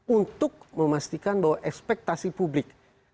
untuk memastikan bahwa ekspektasi publik